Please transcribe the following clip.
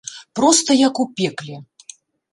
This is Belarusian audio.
Проста як у пекле.